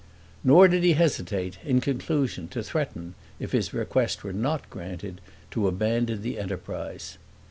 Nor did he hesitate, in conclusion, to threaten, if his request were not granted, to abandon the enterprise.